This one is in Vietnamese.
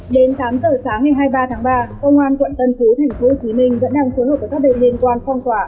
đến tám giờ sáng ngày hai mươi ba tháng ba công an quận tân phú tp hcm vẫn đang phối hợp với các bên liên quan phong tỏa